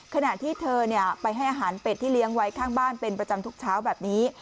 ขณะที่เธอไปให้อาหารเป็ดที่เลี้ยงไว้ข้างบ้านเป็นประจำทุกเช้าแบบนี้